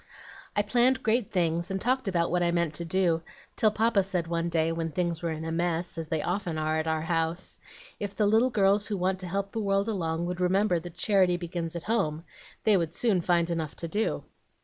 "I planned great things, and talked about what I meant to do, till Papa said one day, when things were in a mess, as they often are at our house, 'If the little girls who want to help the world along would remember that charity begins at home, they would soon find enough to do.'